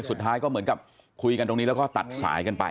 สุดท้ายก็เหมือนกับคุยกันตรงนี้แล้วก็ตัดสายกันไป